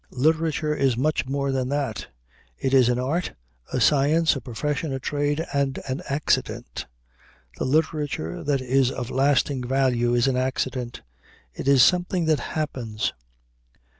Literature is much more than that. It is an art, a science, a profession, a trade, and an accident. The literature that is of lasting value is an accident. It is something that happens.